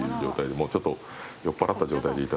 もうちょっと酔っぱらった状態で。